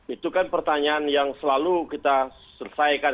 itu kan pertanyaan yang selalu kita selesaikan